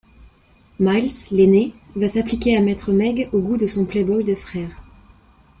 Miles, l’aîné, va s'appliquer à mettre Meg au goût de son play-boy de frère…